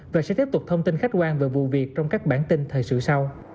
và sẽ tiếp tục thông tin khách quan về vụ việc trong các bản tin thời sự sau